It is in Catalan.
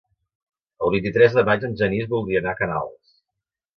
El vint-i-tres de maig en Genís voldria anar a Canals.